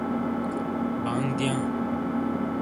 بانگ رزیاں/دِیئاں